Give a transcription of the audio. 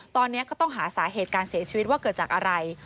ตอนนี้ก็ต้องหาสาเหตุการเสียชีวิตว่าเกิดจากอะไร